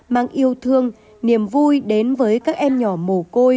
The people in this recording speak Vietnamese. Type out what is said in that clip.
mang yêu thương niềm vui đến với các em nhỏ mồ côi